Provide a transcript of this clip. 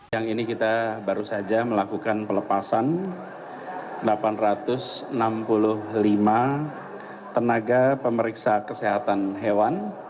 yang ini kita baru saja melakukan pelepasan delapan ratus enam puluh lima tenaga pemeriksa kesehatan hewan